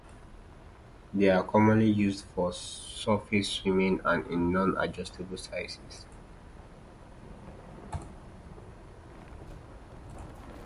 They are commonly used for surface swimming, and are in non adjustable sizes.